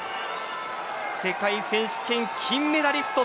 世界選手権金メダリスト